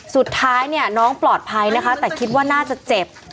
สุดท้ายเนี่ยน้องปลอดภัยนะคะแต่คิดว่าน่าจะเจ็บ